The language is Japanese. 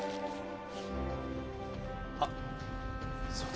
あっそうだ。